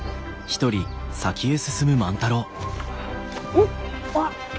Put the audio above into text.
おっあっ！